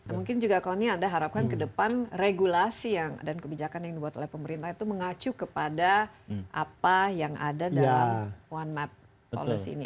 mungkin juga koni anda harapkan ke depan regulasi dan kebijakan yang dibuat oleh pemerintah itu mengacu kepada apa yang ada dalam one map policy ini